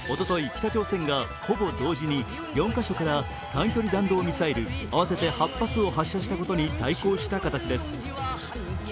北朝鮮がほぼ同時に４カ所から短距離弾道ミサイル合わせて８発を発射したことに対抗した形です。